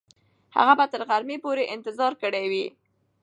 هغه به تر غرمې پورې انتظار کړی وي.